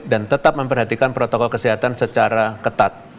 dan tetap memperhatikan protokol kesehatan secara ketat